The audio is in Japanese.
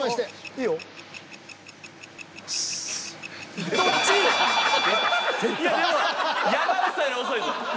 いやでも山内さんより遅いぞ。